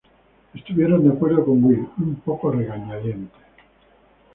Estuvieron de acuerdo, con Will un poco a regañadientes.